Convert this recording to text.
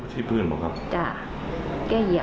อันนี้แม่งอียางเนี่ย